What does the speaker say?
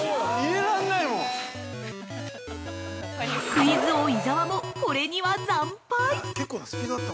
◆クイズ王・伊沢もこれには惨敗。